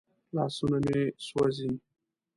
لاسونه مې سوځي.